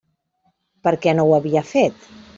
Per què no ho havia fet?